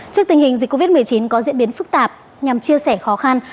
trước tình hình dịch covid một mươi chín có diễn biến phức tạp nhằm chia sẻ khó khăn